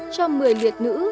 cho một mươi liệt nữ